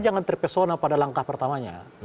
jangan terpesona pada langkah pertamanya